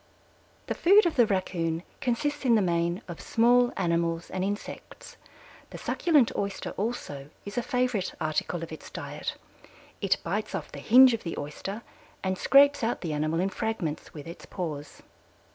The food of the Raccoon consists in the main of small animals and insects. The succulent Oyster also is a favorite article of its diet. It bites off the hinge of the Oyster and scrapes out the animal in fragments with its paws.